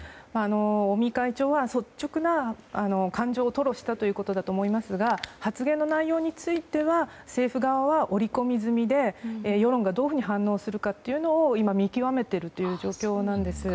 尾身会長は率直な感情を吐露したということだと思いますが発言の内容については政府側は織り込み済みで世論がどう反応するかを今、見極めているという状況なんです。